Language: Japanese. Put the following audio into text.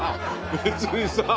別にさあ。